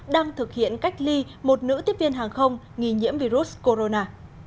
đang thực hiện cách ly một nữ tiếp viên hàng không nghi nhiễm virus corona